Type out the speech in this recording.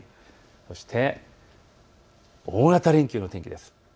そして大型連休の天気です。